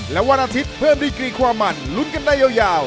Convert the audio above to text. และวันอาทิตย์เพิ่มดีกรีความมันลุ้นกันได้ยาว